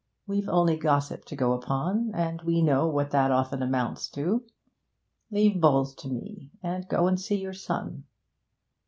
We've only gossip to go upon, and we know what that often amounts to. Leave Bowles to me, and go and see your son.'